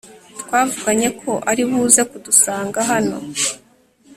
twavuganye ko aribuze kudusanga hano